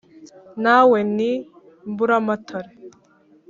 Na we ni Mburamatare.